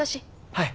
はい。